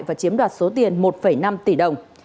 và chiếm đoạt số tiền một năm tỷ đồng